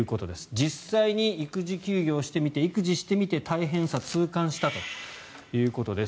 実際に育児休業してみて育児してみて大変さを痛感したということです。